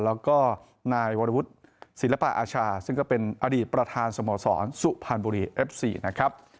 แล้วก็นายวรวุฒิศิลปะอาชาซึ่งก็เป็นอดีตประธานสโมสรสุพรรณบุรีเอฟซีนะครับ